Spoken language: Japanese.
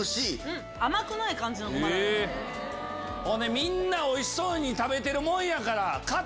みんなおいしそうに食べてるもんやから。